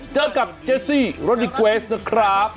เจอกับเจซี่โรดิเกวสนะครับ